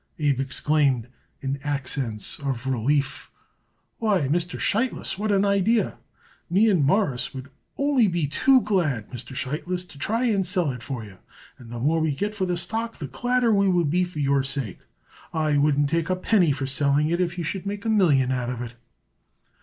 Abe exclaimed in accents of relief. "Why, Mr. Sheitlis, what an idea! Me and Mawruss would be only too glad, Mr. Sheitlis, to try and sell it for you, and the more we get it for the stock the gladder we would be for your sake. I wouldn't take a penny for selling it if you should make a million out of it."